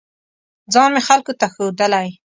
ځان مې خلکو ته ښودلی